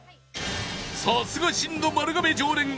さすが真の丸亀常連 Ａ マッソ